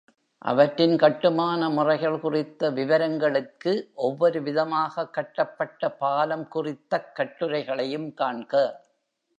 அவற்றின் கட்டுமான முறைகள் குறித்த விவரங்களுக்கு, ஒவ்வொரு விதமாக கட்டப்பட்ட பாலம் குறித்தக் கட்டுரைகளையும் காண்க.